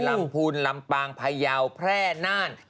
ลำพูนลำปางพยาวแพร่น่าน